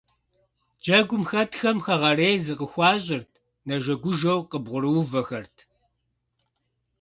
Джэгум хэтхэм хэгъэрей зыкъыхуащӀырт, нэжэгужэу къыбгъурыувэхэрт.